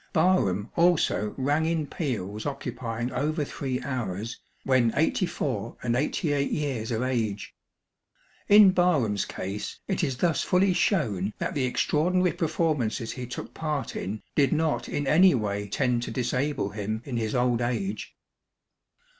Barham also rang in peals occupying over three hours, when eighty four and eighty eight years of age. In Barham's case, it is thus fully shewn that the extraordinary performances he took part in did not in any way tend to disable him in his old age.